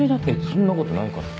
そんなことないから。